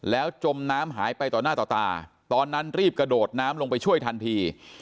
แล้วจมน้ำหายไปต่อหน้าต่อตาตอนนั้นรีบกระโดดน้ำลงไปช่วยทันที